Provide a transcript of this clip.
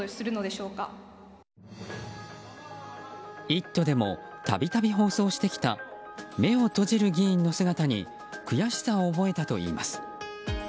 「イット！」でも度々、放送してきた目を閉じる議員の姿に悔しさを覚えたといいます。